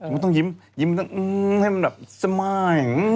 มันต้องยิ้มยิ้มมันต้องอื้อให้มันแบบสมาย